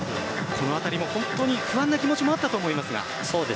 このあたりも本当に不安な気持ちもあったと思います。